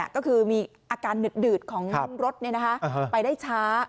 ก็คือมีอาการหนึดของรถไปได้ช้า